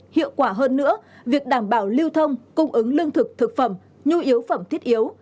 hiệu quả hơn nữa việc đảm bảo lưu thông cung ứng lương thực thực phẩm nhu yếu phẩm thiết yếu